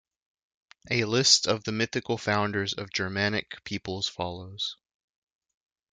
A list of the mythical founders of Germanic peoples follows.